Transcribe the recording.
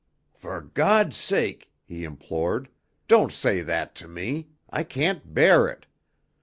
"For God's sake," he implored, "don't say that to me; I can't bear it!